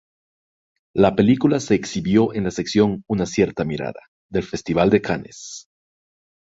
La película se exhibió en la sección "Una cierta mirada" del Festival de Cannes.